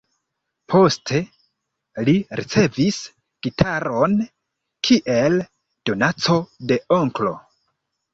Poste li ricevis gitaron kiel donaco de onklo.